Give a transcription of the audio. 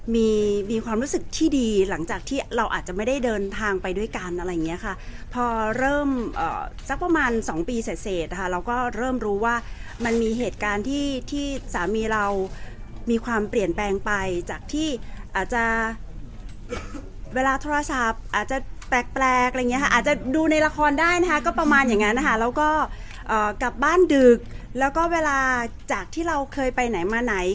มีมีความรู้สึกที่ดีหลังจากที่เราอาจจะไม่ได้เดินทางไปด้วยกันอะไรอย่างเงี้ยค่ะพอเริ่มสักประมาณสองปีเสร็จเสร็จค่ะเราก็เริ่มรู้ว่ามันมีเหตุการณ์ที่ที่สามีเรามีความเปลี่ยนแปลงไปจากที่อาจจะเวลาโทรศัพท์อาจจะแปลกอะไรอย่างเงี้ค่ะอาจจะดูในละครได้นะคะก็ประมาณอย่างนั้นนะคะแล้วก็กลับบ้านดึกแล้วก็เวลาจากที่เราเคยไปไหนมาไหน